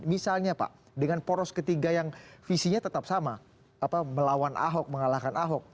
misalnya pak dengan poros ketiga yang visinya tetap sama melawan ahok mengalahkan ahok